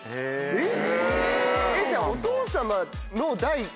えっ！